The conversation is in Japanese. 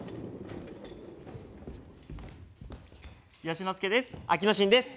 佳之介です。